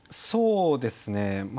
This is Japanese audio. そうですね。